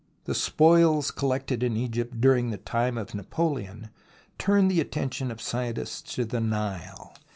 The spoils collected in Egypt during the time of Napoleon turned the attention of scientists to the Nile.